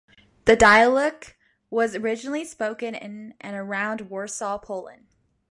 The dialect was originally spoken in and around Warsaw, Poland.